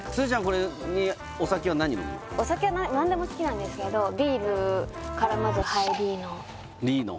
これにお酒は何でも好きなんですけどビールからまず「りの」